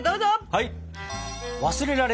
はい！